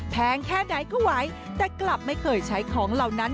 แงแค่ไหนก็ไหวแต่กลับไม่เคยใช้ของเหล่านั้น